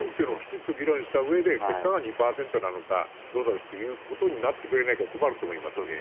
そこを議論したうえで、結果が２％なのか、どうだということになってくれないと困ると思いますね。